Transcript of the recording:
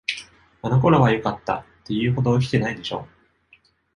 あの頃はよかった、って言うほど生きてないでしょ。